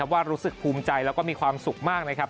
ว่ารู้สึกภูมิใจแล้วก็มีความสุขมากนะครับ